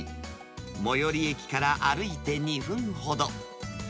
最寄り駅から歩いて２分ほど。